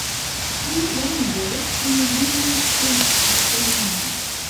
Ŝi longe kunvivis kun aktorino.